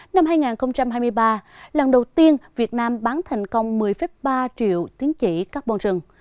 năm hai nghìn hai mươi ba lần đầu tiên việt nam bán thành công một mươi ba triệu tính trị carbon rừng